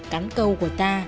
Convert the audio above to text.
cắn câu của ta